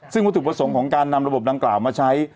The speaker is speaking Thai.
ซึ่งวัตถุประสงค์ของการนำระบบดังกล่าวมาใช้